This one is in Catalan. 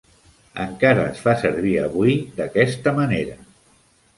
Encara es fa servir avui d'aquesta manera.